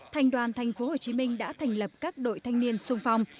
thành đoàn thành phố hồ chí minh đã thành lập các đội thanh niên sung phong